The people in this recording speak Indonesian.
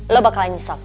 lo bakalan nyesel